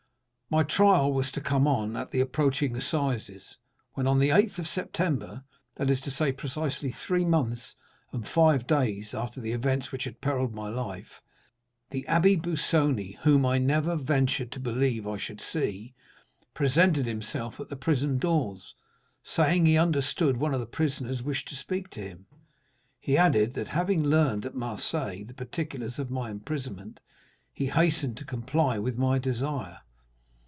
My trial was to come on at the approaching assizes; when, on the 8th of September—that is to say, precisely three months and five days after the events which had perilled my life—the Abbé Busoni, whom I never ventured to believe I should see, presented himself at the prison doors, saying he understood one of the prisoners wished to speak to him; he added, that having learned at Marseilles the particulars of my imprisonment, he hastened to comply with my desire.